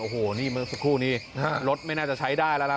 โอ้โหนี่เมื่อสักครู่นี้รถไม่น่าจะใช้ได้แล้วล่ะ